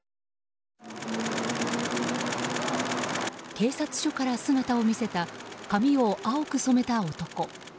警察署から姿を見せた髪を青く染めた男。